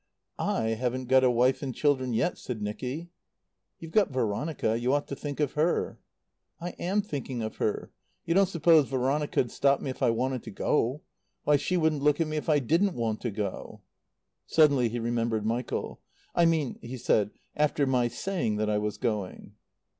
"I haven't got a wife and children yet," said Nicky. "You've got Veronica. You ought to think of her." "I am thinking of her. You don't suppose Veronica'd stop me if I wanted to go? Why, she wouldn't look at me if I didn't want to go." Suddenly he remembered Michael. "I mean," he said, "after my saying that I was going."